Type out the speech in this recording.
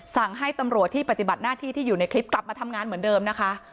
สั่งให้ตำรวจที่ปฏิบัติหน้าที่ที่อยู่ในคลิปกลับมาทำงานเหมือนเดิมนะคะ